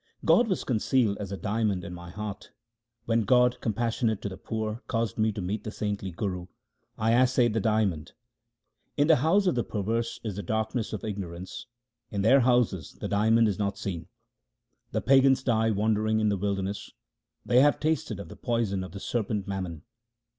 God was concealed as a diamond in my heart. When God, compassionate to the poor, caused me to meet the saintly Guru, I assayed the Diamond. In the house of the perverse is the darkness of igno rance ; in their houses the Diamond is not seen. The pagans die wandering in the wilderness ; they have tasted of the poison of the serpent mammon.